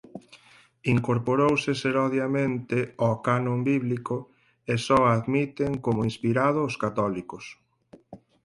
Incorporouse serodiamente ao canon bíblico e só a admiten como inspirado os católicos.